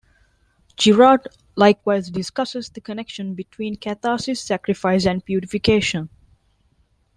Girard likewise discusses the connection between catharsis, sacrifice, and purification.